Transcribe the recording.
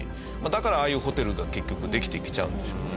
だからああいうホテルが結局できてきちゃうんでしょうね。